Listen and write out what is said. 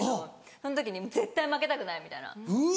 その時に絶対負けたくない！みたいな。